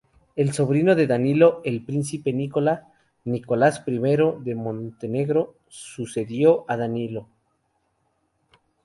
El sobrino de Danilo, el príncipe Nikola, Nicolás I de Montenegro, sucedió a Danilo.